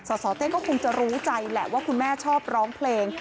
สสเต้งก็คงจะรู้ใจแหละว่าคุณแม่ชอบร้องเพลง